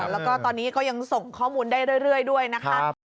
แล้วก็ตอนนี้ก็ยังส่งข้อมูลได้เรื่อยด้วยนะคะ